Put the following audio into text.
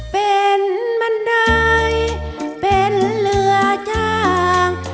เป็นบันไดเป็นเรือจ้าง